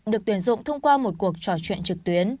được tuyển dụng thông qua một cuộc trò chuyện trực tuyến